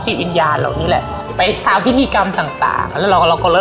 จิตวิญญาณเหล่านี้แหละไปตามพิธีกรรมต่างต่างแล้วเราก็เลอ